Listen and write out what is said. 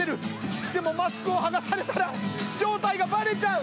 でもマスクを剥がされたら正体がバレちゃう！